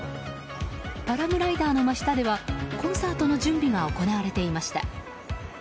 パラグライダーの真下ではコンサートの準備が行われていました。